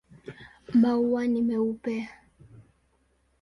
Maua ni meupe.